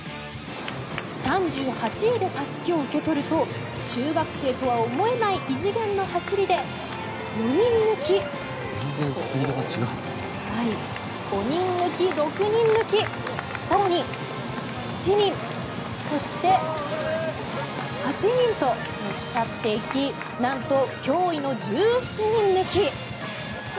３８位でたすきを受け取ると中学生とは思えない異次元の走りで４人抜き５人抜き、６人抜き更に、７人、そして８人と抜き去っていきなんと驚異の１７人抜き。